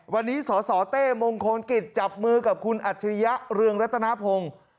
วันนี้สสเต้มงคลกิจจับมือกับคุณอัจฉริยะเรืองรัตนพงศ์